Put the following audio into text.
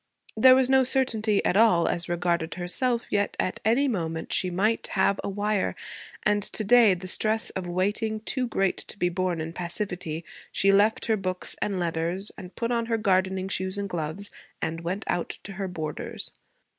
There was no certainty at all as regarded herself; yet at any moment she might have a wire; and feeling to day the stress of waiting too great to be borne in passivity, she left her books and letters, and put on her gardening shoes and gloves, and went out to her borders.